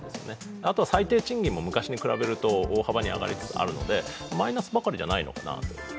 あとは最低賃金も昔と比べると大幅に上がりつつあるので、マイナスばかりじゃないのかなと。